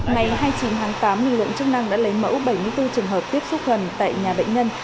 ngày hai mươi chín tháng tám lực lượng chức năng đã lấy mẫu bảy mươi bốn trường hợp tiếp xúc gần tại nhà bệnh nhân